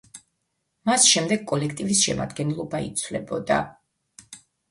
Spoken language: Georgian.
მას შემდეგ კოლექტივის შემადგენლობა იცვლებოდა.